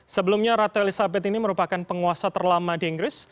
sebelumnya ratu elizabeth ini merupakan penguasa terlama di inggris